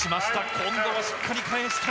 今度はしっかり返した。